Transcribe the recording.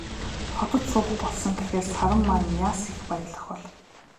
Хотод суух болсон гэхээр Саран маань яасан их баярлах бол.